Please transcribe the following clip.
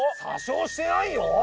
詐称してないよ。